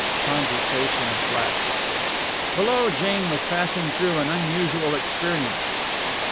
Conversation lapsed. Below, Jane was passing through an unusual experience.